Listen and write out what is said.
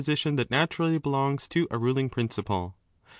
4^^ that naturally belongs to a ruling principle.